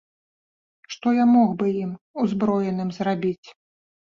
Што я мог бы ім, узброеным, зрабіць?